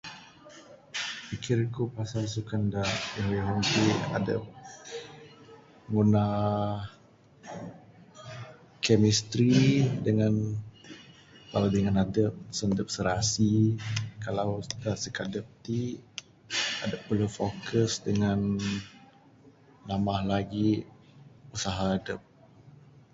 Pikir ku pasal sukan da ihong ihong ti adep ngunah chemistry dangan bala dingan adep sen adep serasi. Kalau kita sikadep ti adep perlu focus dangan nambah lagi usaha adep.